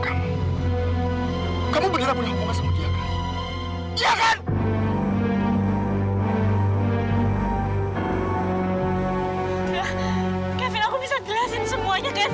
kenapa aku tuh epita tiba tiba jatuh